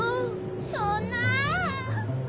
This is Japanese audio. そんな。